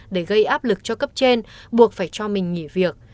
để gây áp lực cho cấp trên buộc phải cho mình nghỉ việc